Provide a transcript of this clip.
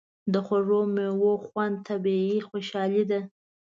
د خوږو میوو خوند طبیعي خوشالي ده.